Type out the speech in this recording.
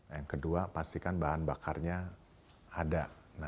yang kedua pastikan bahan bakarnya ada